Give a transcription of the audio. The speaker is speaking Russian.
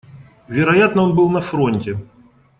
Вероятно, он был на фронте.